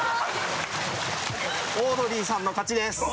オードリーさんの勝ちです。